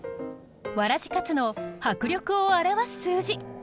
わらじかつの迫力を表す数字。